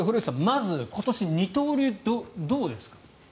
まず今年、二刀流はどうですか？